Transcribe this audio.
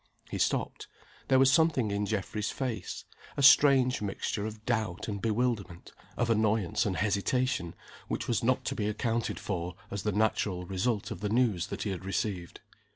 He stopped. There was something in Geoffrey's face a strange mixture of doubt and bewilderment, of annoyance and hesitation which was not to be accounted for as the natural result of the news that he had received.